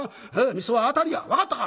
『みそを当たる』や分かったか？」。